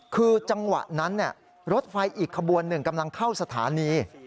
คือจังหวะนั้นรถไฟอีกขบวนหนึ่งกำลังเข้าสถานี